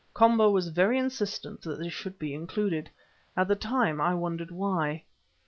Komba was very insistent that this should be included; at the time I wondered why.